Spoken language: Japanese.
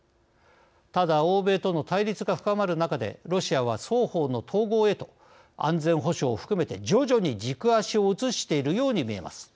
ただ、欧米との対立が深まる中でロシアは双方の統合へと安全保障を含めて徐々に軸足を移しているように見えます。